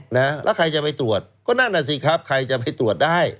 แล้วใครจะไปตรวจก็นั่นน่ะสิครับใครจะไปตรวจได้